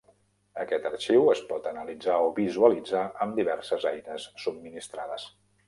Aquest arxiu es pot analitzar o visualitzar amb diverses eines subministrades.